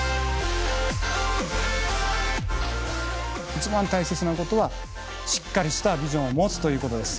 一番大切なことはしっかりしたビジョンを持つということです。